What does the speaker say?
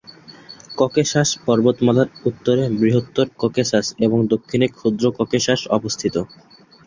Caucasus পর্বতমালার উত্তরে বৃহত্তর ককেশাস এবং দক্ষিণে ক্ষুদ্র ককেশাস অবস্থিত।